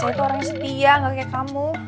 itu orangnya setia nggak kayak kamu